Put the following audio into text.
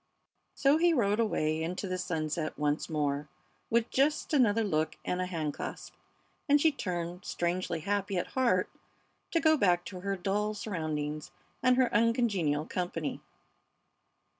So he rode away into the sunset once more with just another look and a hand clasp, and she turned, strangely happy at heart, to go back to her dull surroundings and her uncongenial company.